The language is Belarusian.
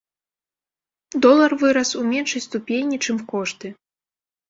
Долар вырас у меншай ступені, чым кошты.